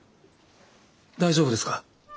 大丈夫ですか？